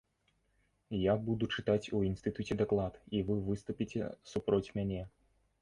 Я буду чытаць у інстытуце даклад і вы выступіце супроць мяне.